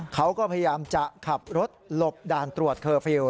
เขาก็พยายามจะขับรถหลบด่านตรวจเคอร์ฟิลล